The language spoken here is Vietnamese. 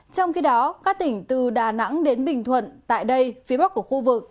trong khi đó các tỉnh từ đà nẵng đến bình thuận tại đây phía bắc của khu vực